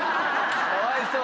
かわいそう。